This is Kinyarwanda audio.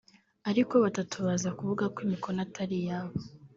ariko batatu baza kuvuga ko imikono atari yabo